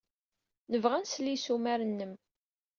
Nebɣa ad nsel i yissumar-nnem.